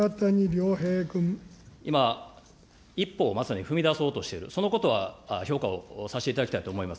今、一歩まさに踏み出そうとしている、そのことは評価をさせていただきたいと思います。